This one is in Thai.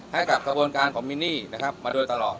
ให้กับกระบวนการของมินนี่นะครับมาโดยตลอด